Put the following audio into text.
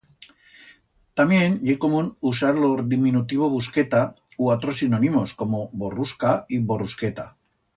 Tamién ye común usar lo diminutivo busqueta, u atros sinonimos, como borrusca y borrusqueta.